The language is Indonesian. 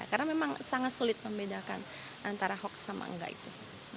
karena memang sangat sulit membedakan antara hoax sama tidak itu